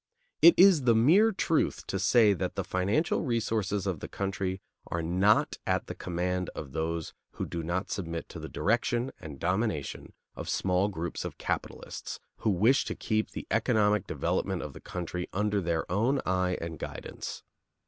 It is the mere truth to say that the financial resources of the country are not at the command of those who do not submit to the direction and domination of small groups of capitalists who wish to keep the economic development of the country under their own eye and guidance.